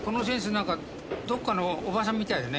何かどっかのおばさんみたいだね。